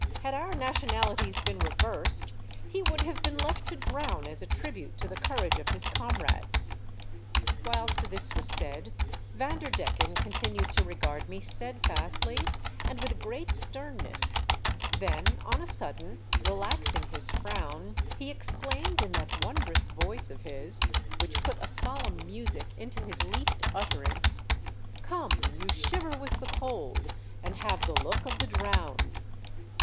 " Had our nation alities been reversed, he would have been left to drown as a tribute to the courage of his comrades." WY ZVN AL VERDOMD. §9 Whilst this was said, Vanderdecken con tinued to regard me steadfastly and with great sternness, then on a sudden relaxing his frown, he exclaimed in that wondrous voice of his, which put a solemn music into his least utterance: "Come, you shiver with the cold, and have the look of the drowned.